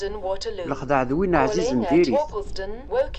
Lexdeɛ d win ɛzizen diri-t.